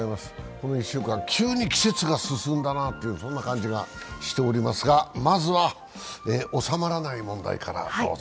この１週間、急に季節が進んだなという感じがしておりますがまずは収まらない問題からどうぞ。